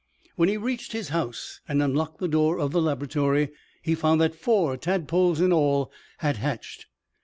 When he reached his house and unlocked the door of the laboratory, he found that four tadpoles, in all, had hatched.